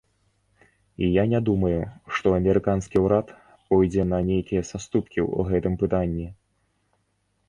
І я не думаю, што амерыканскі ўрад пойдзе на нейкія саступкі ў гэтым пытанні.